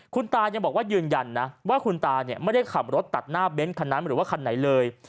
คุณตายังบอกว่ายืนยันนะว่าคุณตาเนี่ยไม่ได้ขับรถตัดหน้าเบนท์คันนั้นหรือว่าคันไหนเลย